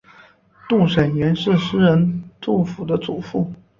杜审言是诗人杜甫的祖父。